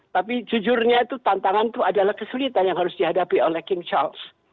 tapi jujurnya itu tantangan itu adalah kesulitan yang harus dihadapi oleh king charles